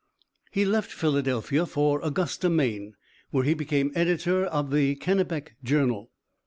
He left Philadelphia for Augusta, Maine, where he became editor of the Kennebec Journal.